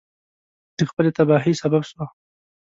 د خپلې تباهی سبب سوه.